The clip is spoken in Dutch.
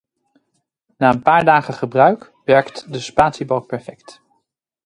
Na een paar dagen gebruik werkt de spatiebalk perfect.